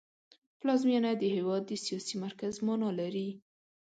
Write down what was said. پلازمېنه د هېواد د سیاسي مرکز مانا لري